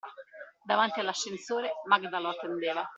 Davanti all'ascensore, Magda lo attendeva.